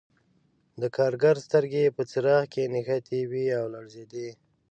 د کارګر سترګې په څراغ کې نښتې وې او لړزېده